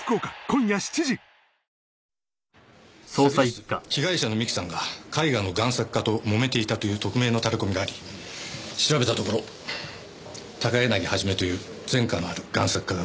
昨日被害者の三木さんが絵画の贋作家ともめていたという匿名のタレこみがあり調べたところ高柳元という前科のある贋作家が浮かびました。